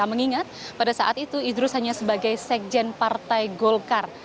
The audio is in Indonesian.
mengingat pada saat itu idrus hanya sebagai sekjen partai golkar